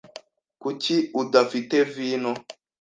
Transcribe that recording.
Kuki udafite vino?